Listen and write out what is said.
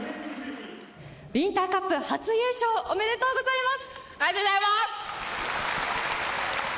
ウインターカップ初優勝おめでとうございます。